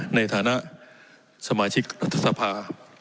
ในฐานะสมาชิกรัฐสภา